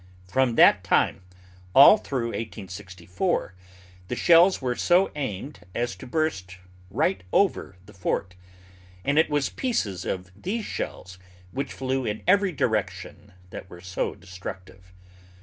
From that time all through 1864, the shells were so aimed as to burst right over the fort; and it was pieces of these shells which flew in every direction that were so destructive.